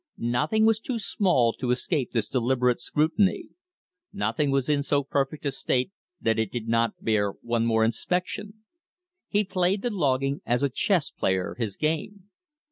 Nothing was too small to escape this deliberate scrutiny. Nothing was in so perfect a state that it did not bear one more inspection. He played the logging as a chess player his game.